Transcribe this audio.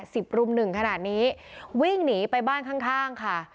กลุ่มรุ่มหนึ่งขนาดนี้วิ่งหนีไปบ้านข้างข้างค่ะ